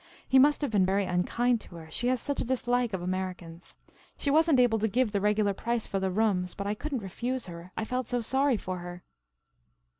He must have been very unkind to her, she has such a dislike of Americans. She wasn't able to give the regular price for the rooms, but I couldn't refuse her I felt so sorry for her."